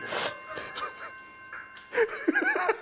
ハハハハ。